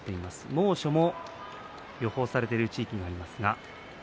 猛暑も予想されている地域があります。